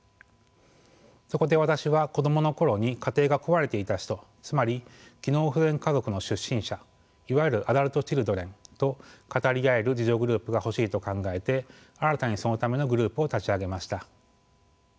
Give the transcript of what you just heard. そこで私は子供の頃に家庭が壊れていた人つまり機能不全家族の出身者いわゆるアダルトチルドレンと語り合える自助グループが欲しいと考えて新たにそのためのグループを立ち上げました。